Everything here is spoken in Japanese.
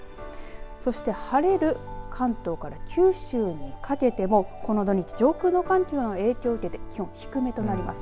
そして晴れる関東から九州にかけてもこの土日、上空の寒気の影響を受けて気温低めとなります。